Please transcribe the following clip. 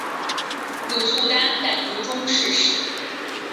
鲁速丹在途中逝世。